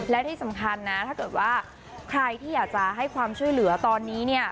และที่สำคัญนะถ้าเกิดว่าใครที่อยากจะให้ความช่วยเหลือตอนนี้เนี่ย